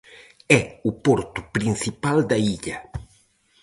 É o porto principal da illa.